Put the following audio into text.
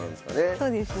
そうですね。